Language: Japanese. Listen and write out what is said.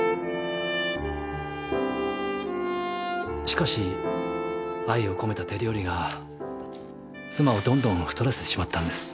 しかし愛を込めた手料理が妻をどんどん太らせてしまったんです。